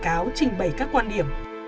bị cáo trình bày các quan điểm